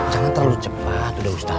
jangan terlalu cepat ustaz